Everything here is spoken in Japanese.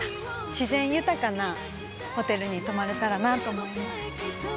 自然豊かなホテルに泊まれたらなと思います。